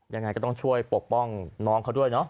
ยังไงก็ต้องช่วยปกป้องน้องเขาด้วยเนาะ